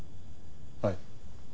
はい。